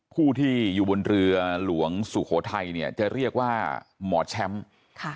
ผู้ที่อยู่บนเรือหลวงสุโขทัยเนี่ยจะเรียกว่าหมอแชมป์ค่ะ